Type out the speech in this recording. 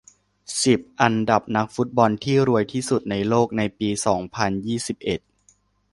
สิบ อันดับนักฟุตบอลที่รวยที่สุดในโลกในปี สองพันยี่สิบเอ็ด